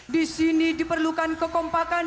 disini diperlukan kekompakan